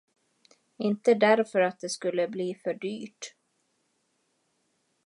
Inte därför att det skulle bli för dyrt.